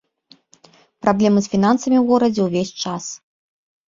Праблемы з фінансамі ў горадзе ўвесь час.